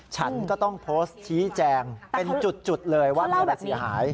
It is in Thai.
ฉันก็ต้องโพสต์ชี้แจงเป็นจุดเลยว่ามีอะไรเสียหาย